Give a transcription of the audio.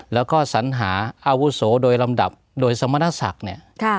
และก็สัญหาอาวุศโอณ์โดยลำดับโดยสมศสังค์